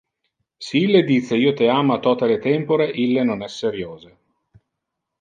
Si ille dice "io te ama" tote le tempore, ille non es seriose.